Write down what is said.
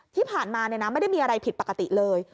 ที่ผ่านมาไม่ได้มีอะไรผิดปกติเลย